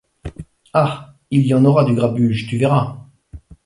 Ah ! il y en aura, du grabuge, tu verras !